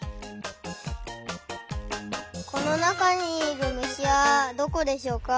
このなかにいるむしはどこでしょうか？